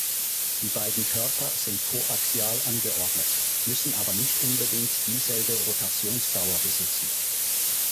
Die beiden Körper sind koaxial angeordnet, müssen aber nicht unbedingt dieselbe Rotationsdauer besitzen.